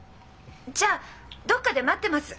じゃあどこかで待ってます。